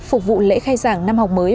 phục vụ lễ khai giảng năm học mới